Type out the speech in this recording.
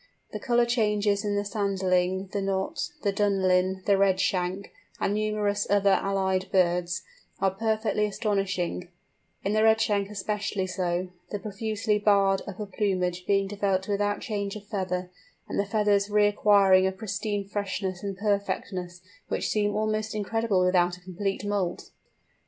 The colour changes in the Sanderling, the Knot, the Dunlin, the Redshank, and numerous other allied birds, are perfectly astonishing: in the Redshank especially so, the profusely barred upper plumage being developed without change of feather, and the feathers reacquiring a pristine freshness and perfectness which seem almost incredible without a complete moult!